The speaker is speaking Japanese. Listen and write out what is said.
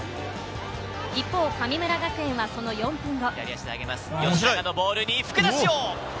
一方、神村学園はその４分後。